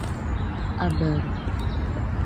A barə̂!